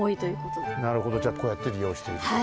なるほどじゃこうやって利用してるってこと？